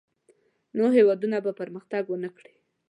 نو هېواد به پرمختګ ونه کړي.